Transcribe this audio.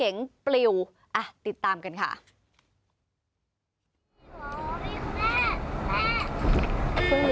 เฟื่องลืมเขามาชนแล้ว